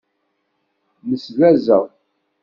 Nnezlazeɣ.